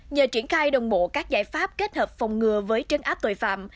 nhờ triển khai đồng bộ các giải pháp kết hợp phòng ngừa với trấn áp tội phạm